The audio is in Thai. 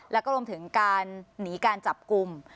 แล้วก็รวมถึงการหนีการจับกลุ่ม